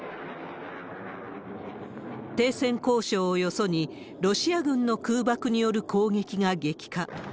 停戦交渉をよそに、ロシア軍の空爆による攻撃が激化。